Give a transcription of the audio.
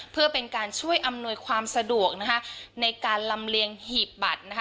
เพื่อเป็นการช่วยอำนวยความสะดวกนะคะในการลำเลียงหีบบัตรนะคะ